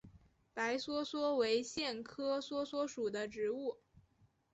白梭梭为苋科梭梭属的植物。